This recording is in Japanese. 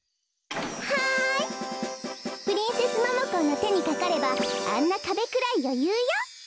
はいプリンセスモモコーのてにかかればあんなかべくらいよゆうよ。